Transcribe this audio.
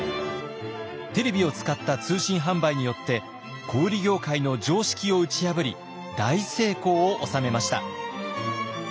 テレビを使った通信販売によって小売業界の常識を打ち破り大成功を収めました。